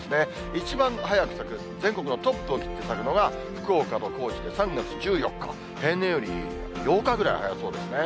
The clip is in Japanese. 一番早く咲く、全国のトップを切って咲くのが、福岡と高知で３月１４日、平年より８日ぐらい早そうですね。